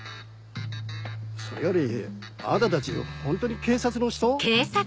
それよりあなたたちホントに警察の人？